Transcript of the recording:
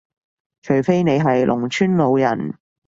除非你係農村老人